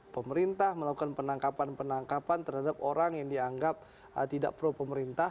pemerintah melakukan penangkapan penangkapan terhadap orang yang dianggap tidak pro pemerintah